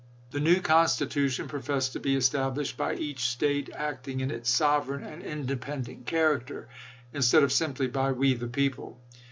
"The new constitution professed to be estab lished by 'each State acting in its sovereign and independent character,' instead of simply by 'we the people.'